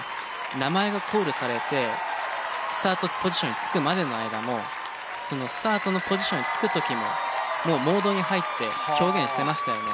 名前がコールされてスタートポジションにつくまでの間もスタートのポジションにつく時ももうモードに入って表現してましたよね。